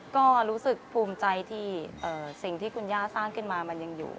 ก็รู้สึกภูมิใจที่สิ่งที่คุณย่าสร้างขึ้นมามันยังอยู่